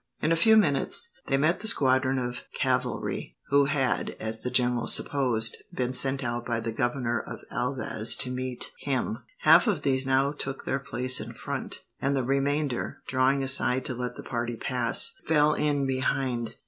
In a few minutes they met the squadron of cavalry, who had, as the general supposed, been sent out by the Governor of Elvas to meet him. Half of these now took their place in front, and the remainder, drawing aside to let the party pass, fell in behind.